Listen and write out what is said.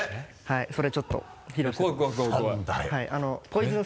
それちょっと披露したいと思います。